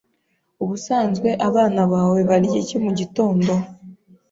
Ubusanzwe abana bawe barya iki mugitondo?